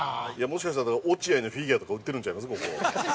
◆もしかしたら落合のフィギュアとか売ってるんちゃいます、ここ。